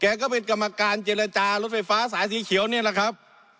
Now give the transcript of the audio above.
ก็เป็นกรรมการเจรจารถไฟฟ้าสายสีเขียวนี่แหละครับ